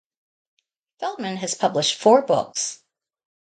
Feldman has published four books.